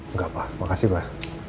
nggak pak makasih pak